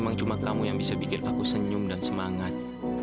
emang cuma kamu yang bisa bikin aku senyum dan semangat